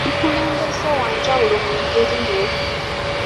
Buli mukulembeze wa njawulo mu ngeri ye.